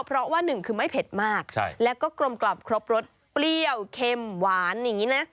เพราะว่าหนึ่งคือไม่เผ็ดมากแล้วก็กลมกล่อมครบรสเปรี้ยวเค็มหวานอย่างนี้นะ